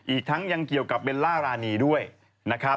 อีกทั้งยังเกี่ยวกับเบลล่ารานีด้วยนะครับ